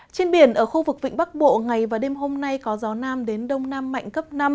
trên biển ở khu vực vịnh bắc bộ ngày và đêm hôm nay có gió nam đến đông nam mạnh cấp năm